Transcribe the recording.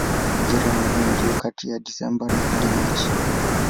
Majira ya mvua ndiyo kati ya Desemba hadi Machi.